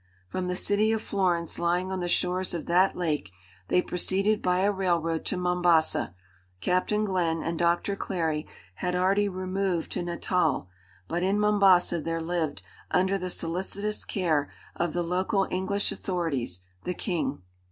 From the city of Florence lying on the shores of that lake they proceeded by a railroad to Mombasa. Captain Glenn and Doctor Clary had already removed to Natal, but in Mombasa there lived under the solicitous care of the local English authorities the King.